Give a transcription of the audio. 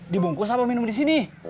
dibungkus apa minum di sini